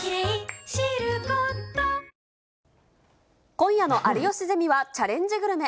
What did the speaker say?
今夜の有吉ゼミは、チャレンジグルメ。